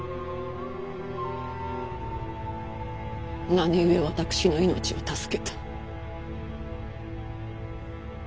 何故私の命を助けた？